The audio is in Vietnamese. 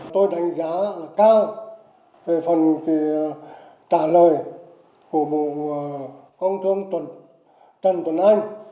tôi đánh giá là cao về phần trả lời của bộ công thương trần tuấn anh